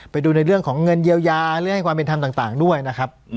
ไปดูในเรื่องของเงินเยียวยาเรื่องให้ความเป็นธรรมต่างด้วยนะครับ